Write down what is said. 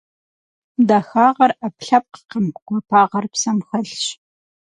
Дахагъэр - ӏэпкълъэпкъым, гуапагъэр псэм хэлъщ.